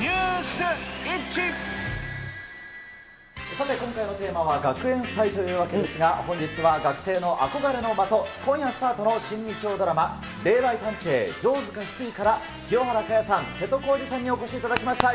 さて、今回のテーマは学園祭というわけですが、本日は学生の憧れの的、今夜スタートの新日曜ドラマ、霊媒探偵・城塚翡翠から清原果耶さん、瀬戸康史さんにお越しいただきました。